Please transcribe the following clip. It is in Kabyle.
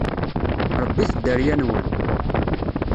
Rebbit dderya-nwen!